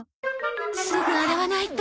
すぐ洗わないと。